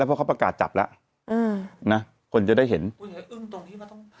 เพราะเขาประกาศจับแล้วอืมนะคนจะได้เห็นตัวอย่างแบบ